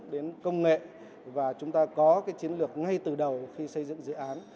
đến công nghệ và chúng ta có cái chiến lược ngay từ đầu khi xây dựng dự án